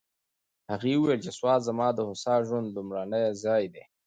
هغې وویل چې سوات زما د هوسا ژوند لومړنی ځای دی.